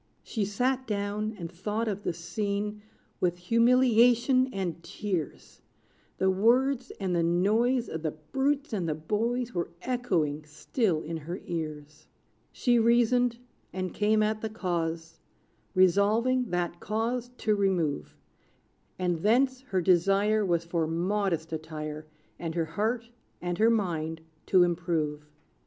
She sat down, and thought of the scene With humiliation and tears: The words, and the noise Of the brutes and the boys Were echoing still in her ears. She reasoned, and came at the cause, Resolving that cause to remove; And thence, her desire Was for modest attire, And her heart and her mind to improve.